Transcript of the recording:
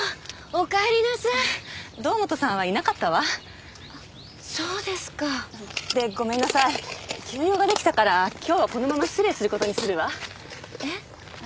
おかえりなさい堂本さんはいなかったわそうですかでごめんなさい急用ができたから今日はこのまま失礼することにするわえっ？